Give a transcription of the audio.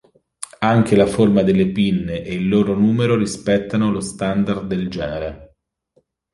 Anche la forma delle pinne e il loro numero rispettano lo standard del genere.